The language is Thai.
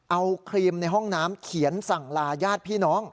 เอาครีมในห้องน้ำเขียนสั่งลาญาติพี่น้อง